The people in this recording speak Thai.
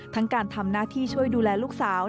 การทำหน้าที่ช่วยดูแลลูกสาว